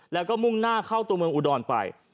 แล้วก็มุ่งหน้าเข้าตัวเมืองอุดรไป